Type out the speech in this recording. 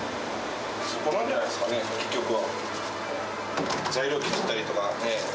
そこなんじゃないですかね、結局は。